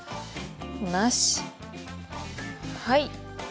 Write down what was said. はい。